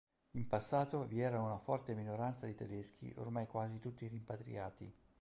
In passato vi era una forte minoranza di tedeschi ormai quasi tutti rimpatriati.